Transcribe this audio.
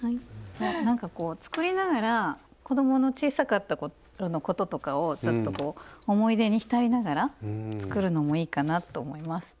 なんかこう作りながら子どもの小さかった頃のこととかをちょっとこう思い出に浸りながら作るのもいいかなと思います。